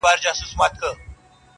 په تېرو غاښو مي دام بيرته شلولى؛